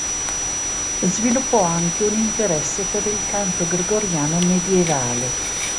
Sviluppò anche un interesse per il canto gregoriano medievale.